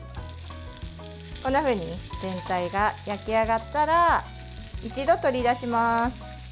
こんなふうに全体が焼き上がったら一度、取り出します。